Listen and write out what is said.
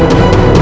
aku mau pergi